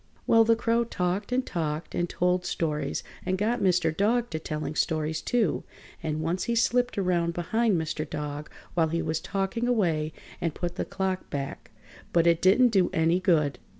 ] Well, the Crow talked and talked and told stories and got Mr. Dog to telling stories, too, and once he slipped around behind Mr. Dog while he was talking away and put the clock back, but it didn't do any good.